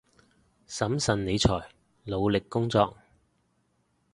審慎理財，努力工作